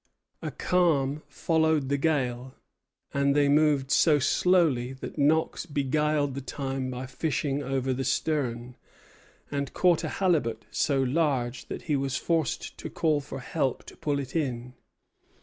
A calm followed the gale; and they moved so slowly that Knox beguiled the time by fishing over the stern, and caught a halibut so large that he was forced to call for help to pull it in.